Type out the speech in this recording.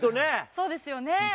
そうですよね。